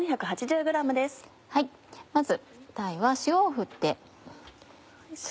まず鯛は塩を振って。